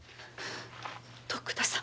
徳田様！